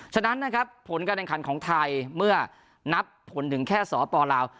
ฉะนั้นนะครับผลกระเด็นคันของไทยเมื่อนับผลถึงแค่ศรภพลาว